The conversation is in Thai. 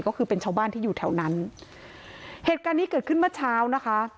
ก็คือเป็นชาวบ้านที่อยู่แถวนั้นเหตุการณ์นี้เกิดขึ้นเมื่อเช้านะคะ